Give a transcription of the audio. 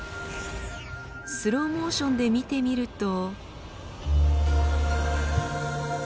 スローモーションで見てみると。